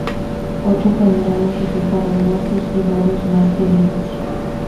Ocho generales resultaron muertos y varios más heridos.